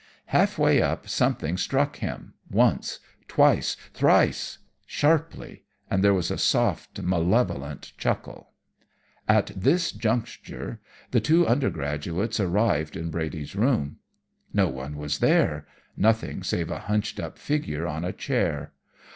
"Half way up something struck him once, twice, thrice, sharply, and there was a soft, malevolent chuckle. "At this juncture the two undergraduates arrived in Brady's room. No one was there nothing save a hunched up figure on a chair.